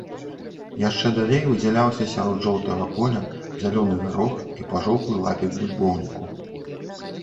Яшчэ далей выдзяляўся сярод жоўтага поля зялёны гарох і пажоўклы лапік бульбоўніку.